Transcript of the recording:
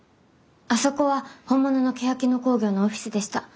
あそこは本物のけやき野興業のオフィスでした。